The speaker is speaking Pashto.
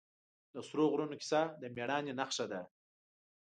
د سرو غرونو کیسه د مېړانې نښه ده.